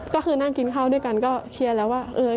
ก็คือนั่งกินข้าวด้วยกันก็เคลียร์แล้วว่า